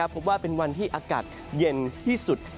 พบว่าเป็นวันที่อากาศเย็นที่สุด